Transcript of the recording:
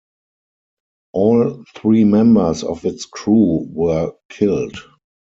All three members of its crew were killed.